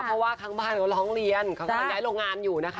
เพราะว่าครั้งบ้านเขาลองเลี่ยนเขาย้ายโรงงานอยู่นะคะ